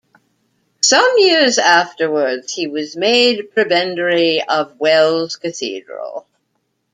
Some years afterwards he was made prebendary of Wells Cathedral.